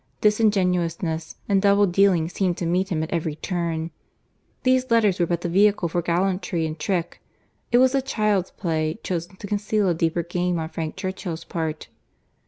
Disingenuousness and double dealing seemed to meet him at every turn. These letters were but the vehicle for gallantry and trick. It was a child's play, chosen to conceal a deeper game on Frank Churchill's part.